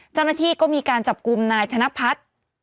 เจ้าหน้าที่ก็มีการจับกลุ่มนายธนพัฒน์